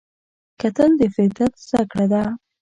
کتل د فطرت زده کړه ده